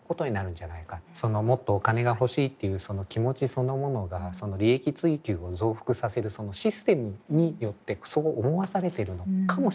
そのもっとお金が欲しいっていうその気持ちそのものがその利益追求を増幅させるそのシステムによってそう思わされてるのかもしれないし